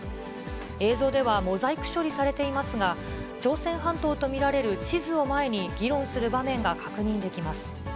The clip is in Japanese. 映像ではモザイク処理されていますが、朝鮮半島と見られる地図を前に、議論する場面が確認できます。